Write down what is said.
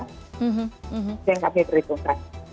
itu yang kami perhitungkan